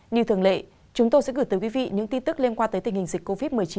như thường lệ chúng tôi sẽ gửi tới quý vị những tin tức liên quan tới tình hình dịch covid một mươi chín